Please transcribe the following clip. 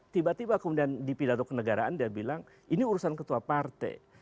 tiba tiba kemudian dipindah ke negaraan dia bilang ini urusan ketua partai